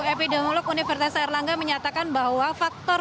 epidemiologi universitas arlangga menyatakan bahwa faktor